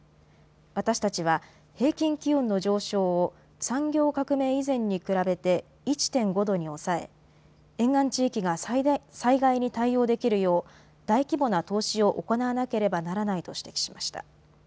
私たちは平均気温の上昇を産業革命以前に比べて１．５度に抑え沿岸地域が災害に対応できるよう大規模な投資を行わなければならないと指摘しました。